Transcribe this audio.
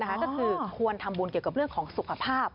ก็คือควรทำบุญเกี่ยวกับเรื่องของสุขภาพ